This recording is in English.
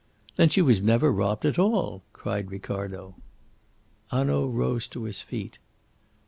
"Then she was never robbed after all?" cried Ricardo. Hanaud rose to his feet.